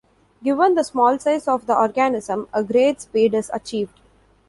Given the small size of the organism, a great speed is achieved.